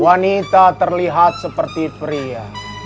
wanita terlihat seperti pria